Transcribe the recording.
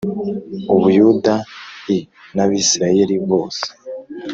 u Buyuda i n Abisirayeli bose